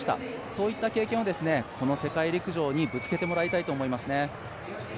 そういった経験をこの世界陸上にぶつけてもらいたいと思いますね。